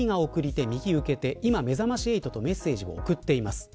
今、めざまし８とメッセージを送っています。